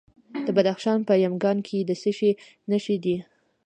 د بدخشان په یمګان کې د څه شي نښې دي؟